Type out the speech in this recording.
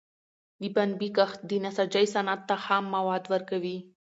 د پنبي کښت د نساجۍ صنعت ته خام مواد ورکوي.